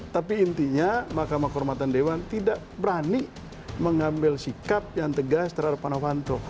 tapi intinya mkd tidak berani mengambil sikap yang tegas terhadap novanto